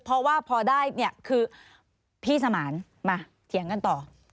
เพราะว่าพอได้เนี่ยคือพี่สมานมาเถียงกันต่อ